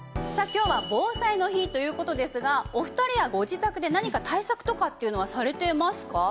今日は防災の日という事ですがお二人はご自宅で何か対策とかっていうのはされてますか？